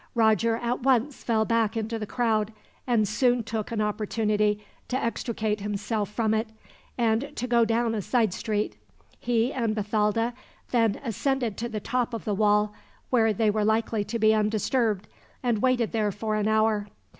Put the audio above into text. Roger at once fell back into the crowd, and soon took an opportunity to extricate himself from it, and to go down a side street. He and Bathalda then ascended to the top of the wall, where they were likely to be undisturbed, and waited there for an hour.